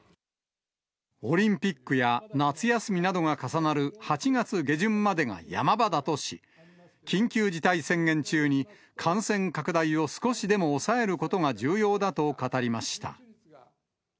オリンピックや夏休みなどが重なる８月下旬までがヤマ場だとし、緊急事態宣言中に感染拡大を少しでも抑えることが重要だと語りました。